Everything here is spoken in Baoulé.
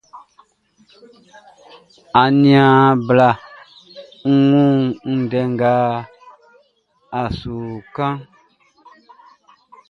Aniaan bla, n wun ndɛ nga a su kanʼn.